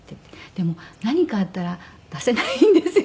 でも何かあったら出せないんですよね。